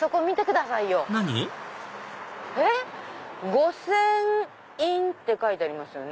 「御船印」って書いてありますよね。